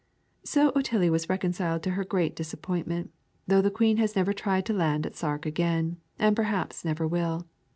So Otillie was reconciled to her great disappointment, though the Queen never has tried to land at Sark again, and perhaps never will.